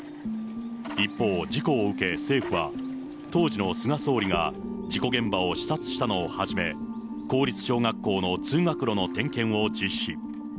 一方、事故を受け政府は、当時の菅総理が、事故現場を視察したのをはじめ、公立小学校の通学路の点検を実施。